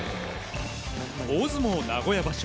大相撲名古屋場所。